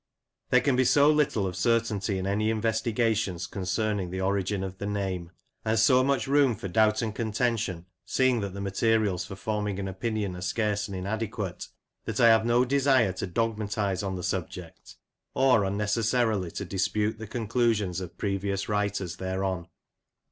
There can ,be so little of certainty in any investigations concerning the origin of the name ; and so much room for doubt and contention, seeing that the materials for forming an opinion are scarce and inadequate, that I have no desire * Vol. iii. p. 275. + Vol. i. p. 9. J 130 Lancashire Characters and Places. to dogmatise on the subject, or unnecessarily to dispute the conclusions of previous writers thereon.